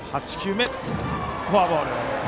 フォアボール。